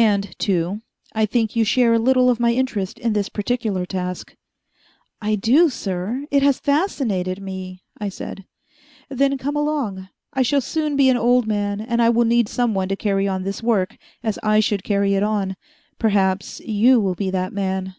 And, too, I think you share a little of my interest in this particular task." "I do, sir! It has fascinated me," I said. "Then come along. I shall soon be an old man, and I will need someone to carry on this work as I should carry it on. Perhaps you will be that man."